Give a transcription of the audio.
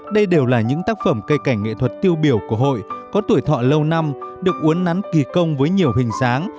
đây đều là những tác phẩm cây cảnh nghệ thuật tiêu biểu của hội có tuổi thọ lâu năm được uốn nắn kỳ công với nhiều hình dáng